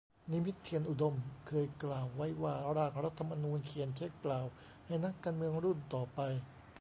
นิมิต เทียนอุดม เคยกล่าวไว้ว่า ร่างรัฐธรรมนูญ เขียนเช็คเปล่าให้นักการเมืองรุ่นต่อไป